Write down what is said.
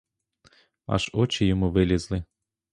Аж очі йому вилізли.